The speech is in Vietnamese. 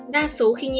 đa số khi tiêm hai mũi